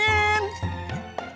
jendal manis dingin